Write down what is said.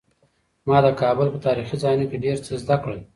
ما د کابل په تاریخي ځایونو کې ډېر څه زده کړل.